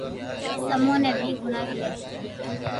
بس امو ني ھي ھڻاو وي لي